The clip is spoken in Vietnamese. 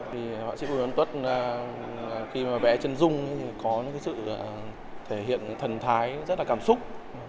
thì họa sĩ bùi văn tất khi mà vẽ chân rung có cái sự thể hiện thần thái rất là cảm xúc